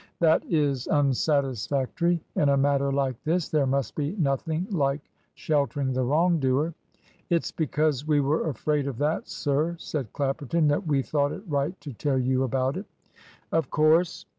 "That is unsatisfactory. In a matter like this, there must be nothing like sheltering the wrong doer." "It's because we were afraid of that, sir," said Clapperton, "that we thought it right to tell you about it." "Of course.